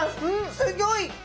すギョい！